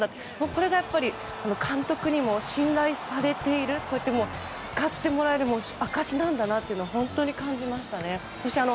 これがやっぱり監督にも信頼されている使ってもらえる証しなんだなと本当に感じましたね。